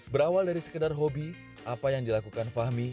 berawal dari sekedar hobi apa yang dilakukan fahmi